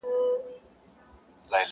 • کيسه تماشه نه حل ښيي ښکاره..